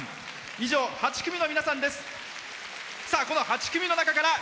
以上、８組の皆さんです。